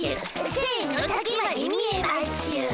せんいの先まで見えましゅっ！